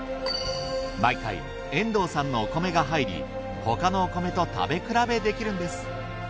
毎回遠藤さんのお米が入り他のお米と食べ比べできるんです。